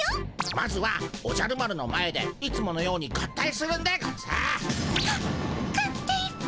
まずはおじゃる丸の前でいつものように合体するんでゴンス。が合体っピ。